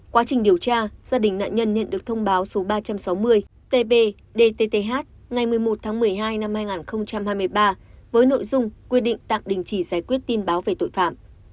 quá trình điều tra gia đình nạn nhân nhận được thông báo số ba trăm sáu mươi tb dt ngày một mươi một tháng một mươi hai năm hai nghìn hai mươi ba với nội dung quy định tạm đình chỉ giải quyết tin báo về tội phạm